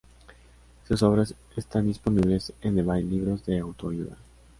Sus obras están disponibles en Ebay libros de autoayuda.